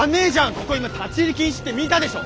ここ今立ち入り禁止って見たでしょ！